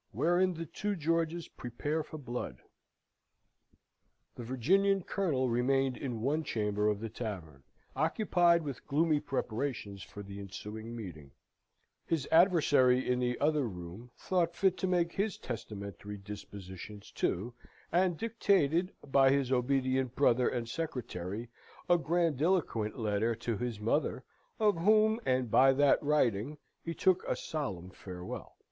Wherein the two Georges prepare for Blood The Virginian Colonel remained in one chamber of the tavern, occupied with gloomy preparations for the ensuing meeting; his adversary in the other room thought fit to make his testamentary dispositions, too, and dictated, by his obedient brother and secretary, a grandiloquent letter to his mother, of whom, and by that writing, he took a solemn farewell.